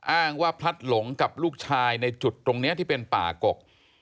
อ้างว่าพลัดหลงกับลูกชายในจุดตรงนี้ที่เป็นป่ากก